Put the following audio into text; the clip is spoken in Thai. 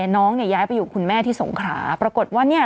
น้องเนี่ยย้ายไปอยู่คุณแม่ที่สงขราปรากฏว่าเนี่ย